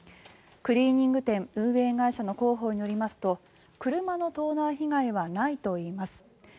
クリーニング店運営会社の広報によりますと車の盗難被害はないといいます。